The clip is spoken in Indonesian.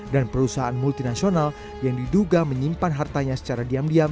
dan perusahaan multinasional yang diduga menyimpan hartanya secara diam diam